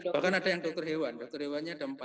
bahkan ada yang dokter hewan dokter hewannya ada empat